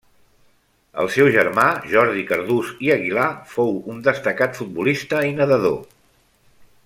El seu germà Jordi Cardús i Aguilar fou un destacat futbolista i nedador.